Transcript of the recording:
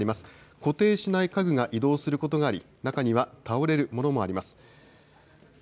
固定しない家具が移動することがあり、中には倒れるものもあります。